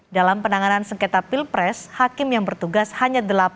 dalam penanganan sengketa pilpres hakim yang bertugas hanya delapan